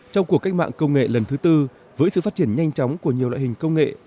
trong cuộc cách mạng công nghệ lần thứ tư với sự phát triển nhanh chóng của nhiều loại hình công nghệ